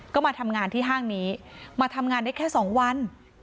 ก็มาทำงานที่ห้างนี้มาทำงานได้แค่๒วัน